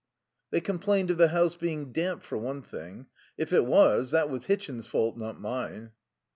"They complained of the house being damp for one thing. If it was, that was Hitchin's fault, not mine."